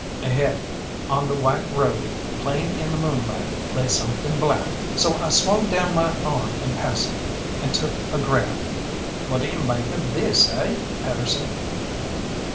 Ahead on the white road, plain in the moonlight, lay something black, so I swung down my arm in passing, and took a grab. "What d'ye make of this, eh, Pedersen?"